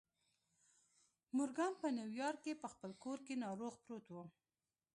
مورګان په نیویارک کې په خپل کور کې ناروغ پروت و